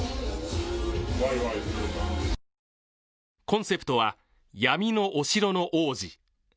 コンセプトは、「闇のお城の王子」。